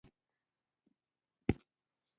جلګه د افغانستان د چاپیریال ساتنې لپاره مهم دي.